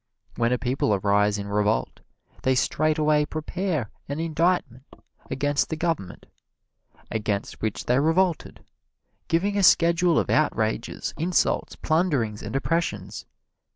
When a people arise in revolt they straightway prepare an indictment against the government against which they revolted, giving a schedule of outrages, insults, plunderings and oppressions.